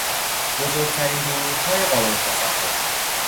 بزرگترین دروغهای قابل تصور